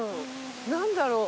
何だろう。